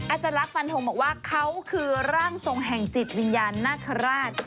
อาจารย์ลักษ์ฟันทงบอกว่าเขาคือร่างทรงแห่งจิตวิญญาณนาคาราช